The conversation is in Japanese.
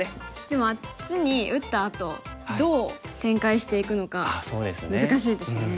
でもあっちに打ったあとどう展開していくのか難しいですよね。